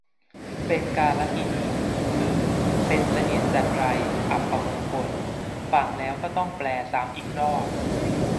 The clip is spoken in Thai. เป็นกาลกิณี คือเป็นเสนียดจัญไร อัปมงคล ฟังแล้วก็ต้องแปลซ้ำอีกรอบ